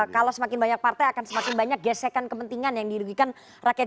kalau semakin banyak partai akan semakin banyak gesekan kepentingan yang dirugikan rakyat